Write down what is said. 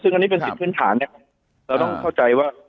ซึ่งอันนี้เป็นสิทธิพื้นฐานเนี่ยเราต้องเข้าใจว่า